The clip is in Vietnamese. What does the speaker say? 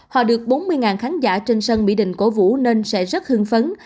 họ được bốn mươi khán giả trên sân mỹ đình cổ vũ nên sẽ rất hương phấn